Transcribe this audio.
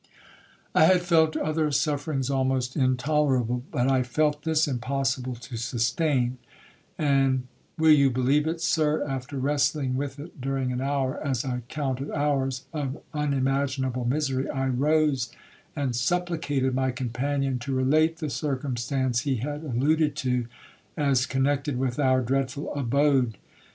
'I had felt other sufferings almost intolerable, but I felt this impossible to sustain; and, will you believe it, Sir, after wrestling with it during an hour (as I counted hours) of unimaginable misery, I rose, and supplicated my companion to relate the circumstance he had alluded to, as connected with our dreadful abode.